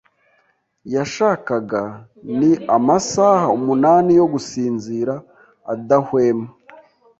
yashakaga ni amasaha umunani yo gusinzira adahwema.